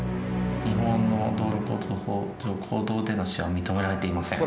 「日本の道路交通法上公道での使用は認められていません。